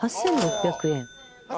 ８，６００円。